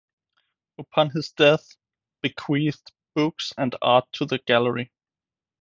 Upon his death bequeathed books and art to the gallery.